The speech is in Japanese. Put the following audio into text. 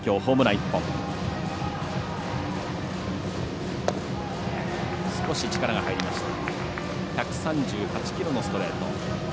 １３８キロのストレート。